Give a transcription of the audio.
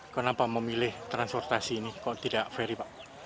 kenapa memilih transportasi ini kok tidak ferry pak